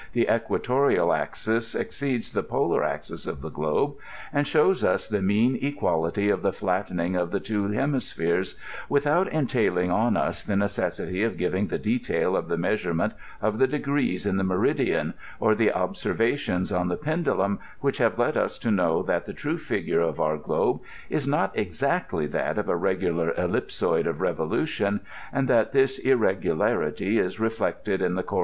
the equatorial axis exceeds the polar aads of the globe, aad shows us the mean equality of the flattezung of the two hemi spheres, without entailii^ on us the necessity of giving ihe detail of the measurement of the degsees in the meridian, or the observations tm the pendulum, which have led us to know that the true figiue of our globe is not exactly that of a regu lar ellipsoid iif revolution, and that this irxegulainty is reflect ed in ^e o<»n!